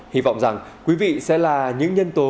hy vọng rằng quý vị sẽ là những nhân tố